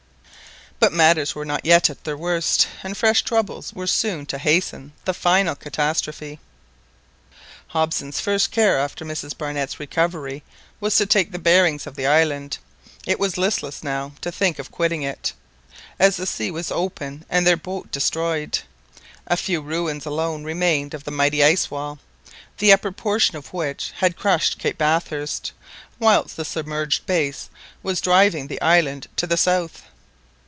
But matters were not yet at their worst, and fresh troubles were soon to hasten the final catastrophe. Hobson's first care after Mrs Barnett's recovery was to take the bearings of the inland. It was listless now to think of quitting it, as the sea was open and their boat destroyed. A few ruins alone remained of the mighty ice wall, the upper portion of which had crushed Cape Bathurst whilst the submerged base was driving the island to the south.